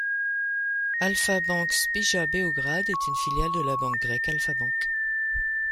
Alpha Bank Srbija Beograd est une filiale de la banque grecque Alpha Bank.